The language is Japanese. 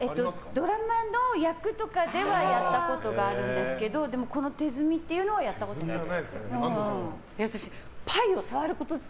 ドラマの役とかではやったことあるんですけどでも、手積みっていうのはやったことないです。